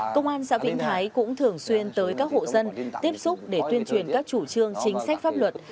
công an xã vĩnh thái cũng thường xuyên tới các hộ dân tiếp xúc để tuyên truyền các chủ trương chính sách pháp luật